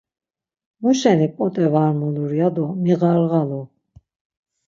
Muşeni p̌ot̆e var mulur ya do miğarğalu.